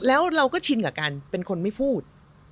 แล้วเราก็ชินกับการเป็นคนไม่พูด